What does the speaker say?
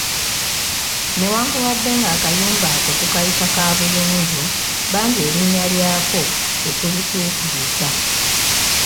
Newankubadde ng'akayumba ako tukayita kaabuyonjo, bangi erinnya lyako tetulituukiriza.